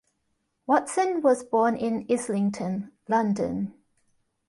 Watson was born in Islington, London.